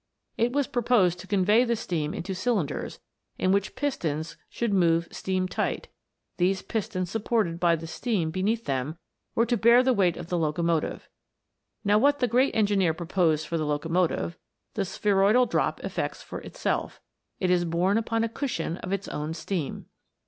It was proposed to convey the steam into cylinders in which pistons should move steam tight; these pistons supported by the steam beneath them, were to bear the weight of the locomotive. Now what the great engineer proposed for the locomotive, the spheroidal drop effects for itself it is borne upon a cushion of its own steam.